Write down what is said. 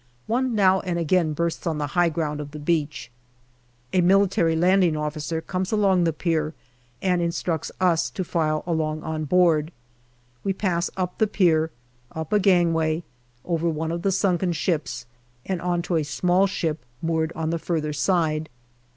One now and again bursts on the high ground of the beach. An M.L.O. comes along the pier and instructs us to file along on board. We pass up the pier, up a gangway, over one of the sunken ships, and on to a small ship moored on the further side.